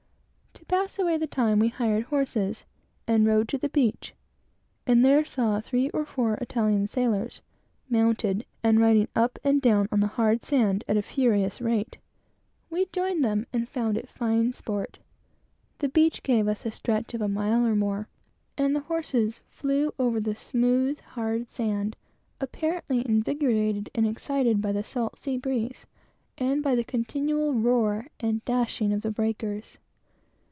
To pass away the time, we took horses and rode down to the beach, and there found three or four Italian sailors, mounted, and riding up and down, on the hard sand, at a furious rate. We joined them, and found it fine sport. The beach gave us a stretch of a mile or more, and the horses flew over the smooth, hard sand, apparently invigorated and excited by the salt sea breeze, and by the continual roar and dashing of the breakers.